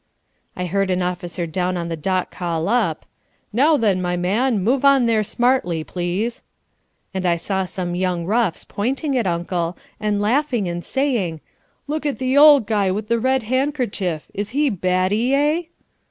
I heard an officer down on the dock call up, "Now then, my man, move on there smartly, please." And I saw some young roughs pointing at Uncle and laughing and saying, "Look at the old guy with the red handkerchief. Is he batty, eh?"